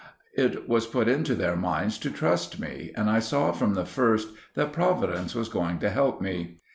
It was put into their minds to trust me, and I saw from the first that Providence was going to help me.